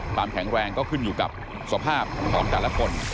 ความแข็งแรงก็ขึ้นอยู่กับสภาพของแต่ละคน